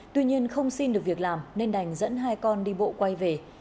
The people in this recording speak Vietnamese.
tuy nhiên không xin được việc làm nên đành dẫn hai con đi bộ quay về